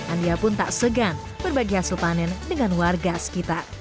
andia pun tak segan berbagi hasil panen dengan warga sekitar